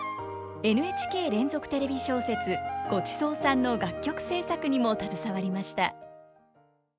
ＮＨＫ連続テレビ小説「ごちそうさん」の楽曲制作にも携わりました。